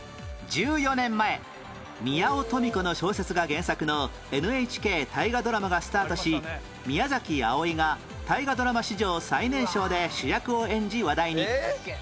１４年前宮尾登美子の小説が原作の ＮＨＫ 大河ドラマがスタートし宮崎あおいが大河ドラマ史上最年少で主役を演じ話題に